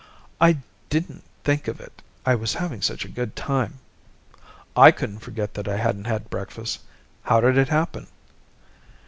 "I didn't think of it. I was having such a good time." "I couldn't forget that I hadn't had breakfast. How did it happen?"